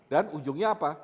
dan ujungnya apa